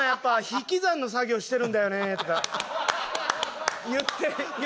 引き算の作業してるんだよね」とか言ってた男が。